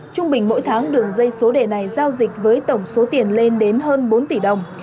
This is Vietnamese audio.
trung bình mỗi tháng đường dây số đề này giao dịch với tổng số tiền lên đến hơn bốn tỷ đồng